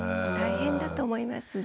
大変だと思います。